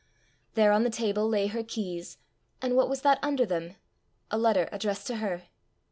There on the table lay her keys; and what was that under them? A letter addressed to her.